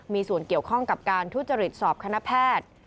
มีส่วนเกี่ยวข้องกับการทุจริตสอบคณะแพทย์